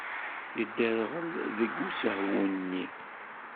Yedderɣel deg usehwu-nni.